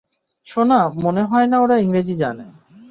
সোনা, মনে হয় না ওরা ইংরেজি জানে!